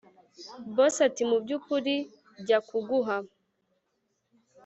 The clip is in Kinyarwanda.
boss ati”mubyukuri jya kuguha